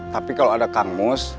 tapi kalau ada kang mus